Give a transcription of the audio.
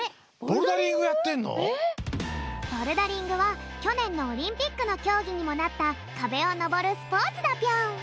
ボルダリングはきょねんのオリンピックのきょうぎにもなったカベをのぼるスポーツだぴょん。